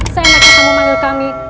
saya nanti akan memanggil kami